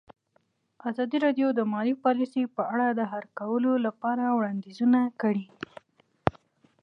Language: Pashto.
ازادي راډیو د مالي پالیسي په اړه د حل کولو لپاره وړاندیزونه کړي.